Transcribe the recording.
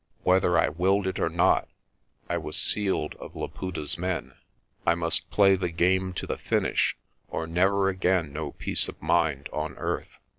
Whether I willed it or not, I was sealed of Laputa's men. I must play the game to the finish, or never again know peace of mind on earth.